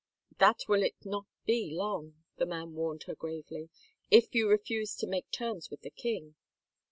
" That will it not be long," the man warned her gravely, " if you refuse to make terms with the king.